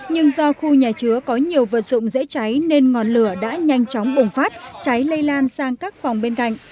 nhưng do khu nhà chứa có nhiều vật dụng dễ cháy nên ngọn lửa đã nhanh chóng bùng phát cháy lây lan sang các phòng bên cạnh